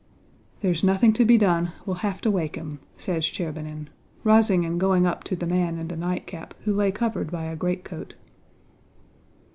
"There's nothing to be done, we'll have to wake him," said Shcherbínin, rising and going up to the man in the nightcap who lay covered by a greatcoat.